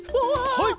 はい！